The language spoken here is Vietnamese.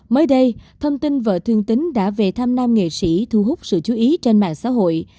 mới đây thông tin vợ thương tính đã về thăm nam nghệ sĩ thu hút sự chú ý trên mạng xã hội